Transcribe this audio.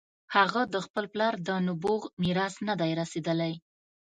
هغه د خپل پلار د نبوغ میراث نه دی رسېدلی.